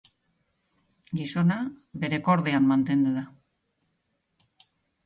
Gizona bere kordean mantendu da.